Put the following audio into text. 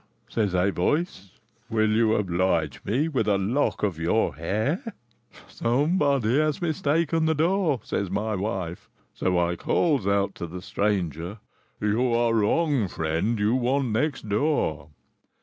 says a voice; 'will you oblige me with a lock of your hair?' 'Somebody has mistaken the door,' says my wife. So I calls out to the stranger, 'You are wrong, friend, you want next door.'